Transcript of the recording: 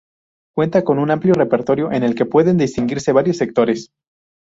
Cuenta con un repertorio amplio en el que pueden distinguirse varios sectores.